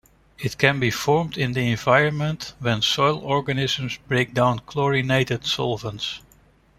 It can be formed in the environment when soil organisms break down "chlorinated" solvents.